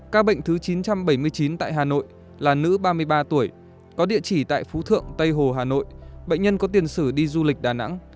ca bệnh thứ chín trăm bảy mươi chín tại hà nội là nữ ba mươi ba tuổi có địa chỉ tại phú thượng tây hồ hà nội bệnh nhân có tiền sử đi du lịch đà nẵng